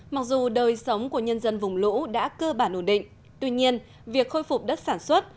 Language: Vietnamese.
mặc dù đời sống của nhân dân vùng lũ đã cơ bản ổn định tuy nhiên việc khôi phục đất sản xuất